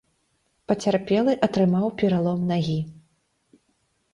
Пацярпелы атрымаў пералом нагі.